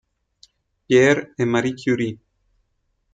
Pierre et Marie Curie